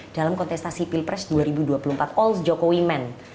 dalam kontestasi pilpres dua ribu dua puluh empat all jokowi man